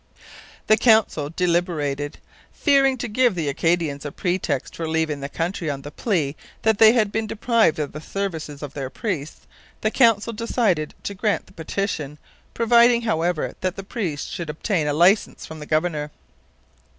The Council deliberated. Fearing to give the Acadians a pretext for leaving the country on the plea that they had been deprived of the services of their priests, the Council decided to grant the petition, providing, however, that the priests should obtain a licence from the governor.